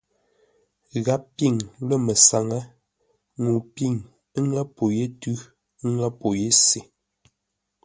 Gháp pîŋ lə̂ məsáŋə́ ŋuu pîŋ, ə́ ŋə̂ pô yé tʉ́, ə́ ŋə̂ pô yé se.